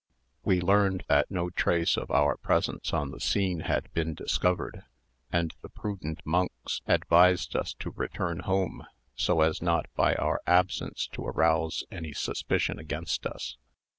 "We learned that no trace of our presence on the scene had been discovered, and the prudent monks advised us to return home, so as not by our absence to arouse any suspicion against us.